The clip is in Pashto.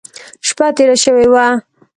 شپه تېره شوې وه.